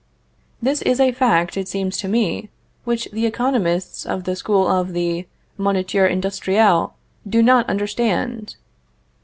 This is a fact, it seems to me, which the economists of the school of the Moniteur Industriel do not understand.